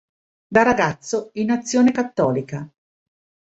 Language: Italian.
Da ragazzo in Azione Cattolica.